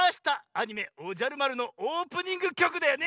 アニメ「おじゃる丸」のオープニングきょくだよね！